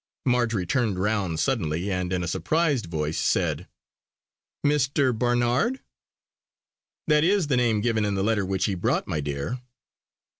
Marjory turned round suddenly and in a surprised voice said: "Mr. Barnard?" "That is the name given in the letter which he brought, my dear!"